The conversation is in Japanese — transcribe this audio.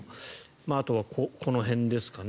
あとはこの辺ですかね。